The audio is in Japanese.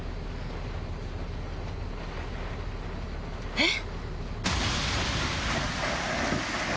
えっ⁉